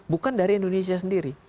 bukan dari indonesia sendiri